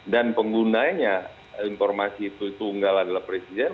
dan penggunanya informasi itu tunggal adalah presiden